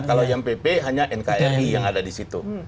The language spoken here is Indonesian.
kalau yang pp hanya nkri yang ada di situ